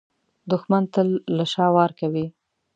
دښمن تل له شا وار کوي